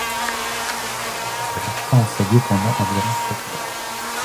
Il resta en ces lieux pendant environ sept mois.